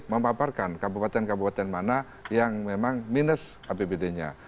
memaparkan kabupaten kabupaten mana yang memang minus apbd nya